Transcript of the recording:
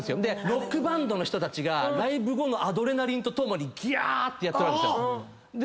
ロックバンドの人たちがライブ後のアドレナリンとともにギャ！ってやってるわけです。